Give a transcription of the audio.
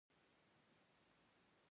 د حکومت په چارو کې یې ورسره مرسته کوله.